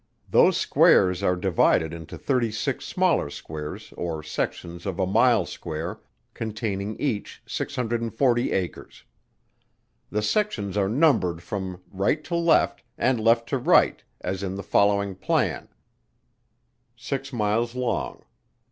Those squares are divided into thirty six smaller squares or sections of a mile square, containing each 640 acres. The sections are numbered from right to left, and left to right, as in the following plan: six miles long.